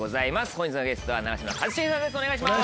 本日のゲストは長嶋一茂さんです